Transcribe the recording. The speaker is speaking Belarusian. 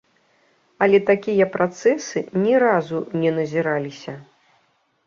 Але такія працэсы ні разу не назіраліся.